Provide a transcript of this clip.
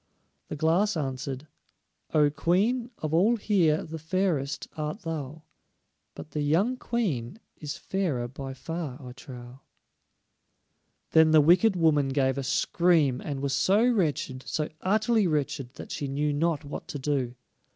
The Glass answered: "O Queen, of all here the fairest art thou, But the young Queen is fairer by far I trow." Then the wicked woman gave a scream, and was so wretched, so utterly wretched, that she knew not what to do.